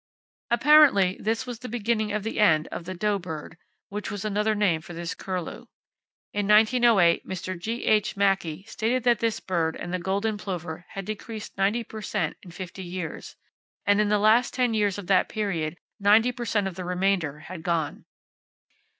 Apparently, that was the beginning of the end of the "dough bird," which was another name for this curlew. In 1908 Mr. G.H. Mackay stated that this bird and the golden plover had decreased 90 per cent in fifty years, and in the last ten years of that period 90 per cent of the remainder had gone.